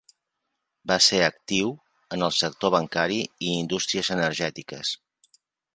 Va ser actiu en el sector bancari i indústries energètiques.